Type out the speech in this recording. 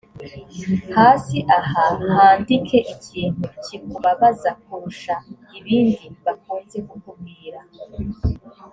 hasi aha handike ikintu kikubabaza kurusha ibindi bakunze kukubwira